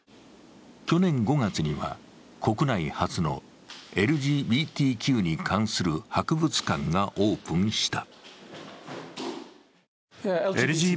去年５月には、国内初のＬＧＢＴＱに関する博物館がオープンした。